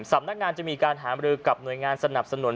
สำนักงานจะมีการหามรือกับหน่วยงานสนับสนุน